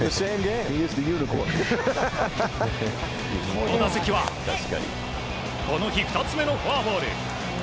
この打席はこの日２つ目のフォアボール。